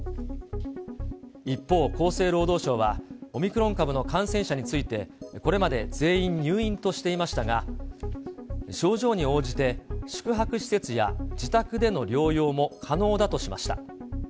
一方、厚生労働省はオミクロン株の感染者について、これまで全員入院としていましたが、症状に応じて宿泊施設や自宅での療養も可能だとしました。